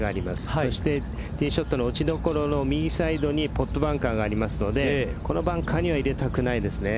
そしてティーショットの落ちどころの右サイドにポットバンカーがありますのでこのバンカーには入れたくないですね。